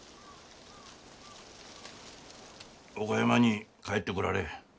岡山に帰ってこられえ。